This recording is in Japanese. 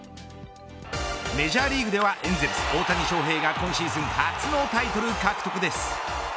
メジャーリーグではエンゼルス大谷翔平が今シーズン初のタイトル獲得です。